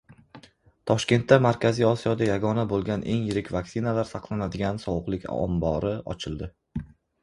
Toshkentda Markaziy Osiyoda yagona bo‘lgan eng yirik vaksinalar saqlanadigan sovuqlik ombori ochildi